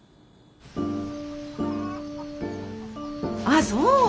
あそう。